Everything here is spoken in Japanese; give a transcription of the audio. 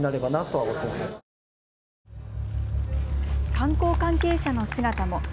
観光関係者の姿も。